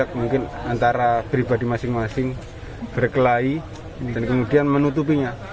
mungkin antara pribadi masing masing berkelahi dan kemudian menutupinya